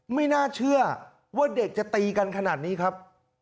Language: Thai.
ไม่น่าเชื่อว่าเด็กจะตีกันขนาดนี้ครับ